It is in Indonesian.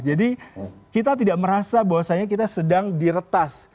jadi kita tidak merasa bahwasanya kita sedang diretas